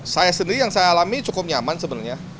saya sendiri yang saya alami cukup nyaman sebenarnya